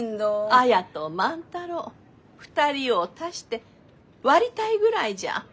綾と万太郎２人を足して割りたいぐらいじゃ。